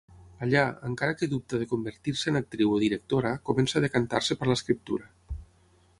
Allà, encara que dubta de convertir-se en actriu o directora, comença a decantar-se per l'escriptura.